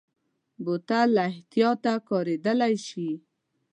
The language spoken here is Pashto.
بوتل له احتیاطه کارېدلی شي.